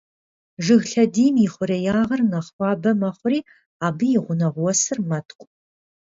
Жыг лъэдийм и хъуреягъыр нэхъ хуабэ мэхъури абы и гъунэгъу уэсыр мэткӀу.